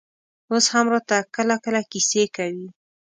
اوس هم راته کله کله کيسې کوي.